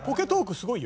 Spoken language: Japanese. すごいよ。